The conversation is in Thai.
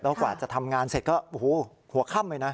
แล้วกว่าจะทำงานเสร็จก็โอ้โหหัวค่ำเลยนะ